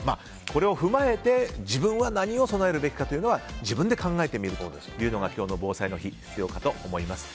これを踏まえて、自分は何を備えるべきかというのは自分で考えてみるというのが今日の防災の日必要かと思いました。